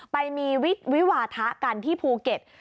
ไปมีวิวาทะกันที่ภูเก็ต